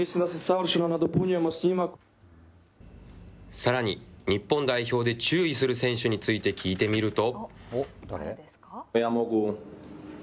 さらに、日本代表で、注意する選手について聞いてみると。